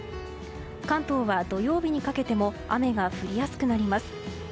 関東は土曜日にかけても雨が降りやすくなります。